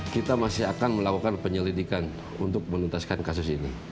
kita masih akan melakukan penyelidikan untuk menuntaskan kasus ini